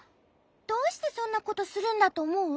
どうしてそんなことするんだとおもう？